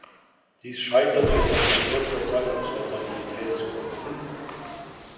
Dies scheiterte jedoch nach kurzer Zeit aus Rentabilitätsgründen.